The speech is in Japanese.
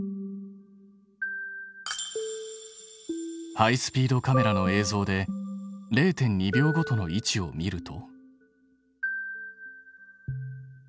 ハイスピードカメラの映像で０．２秒ごとの位置を見ると。